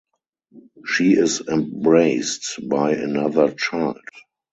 She is embraced by another child.